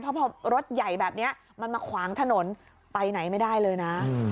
เพราะพอรถใหญ่แบบนี้มันมาขวางถนนไปไหนไม่ได้เลยนะ